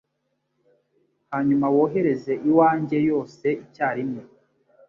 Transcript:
hanyuma wohereze iwanjye yose icyarimwe"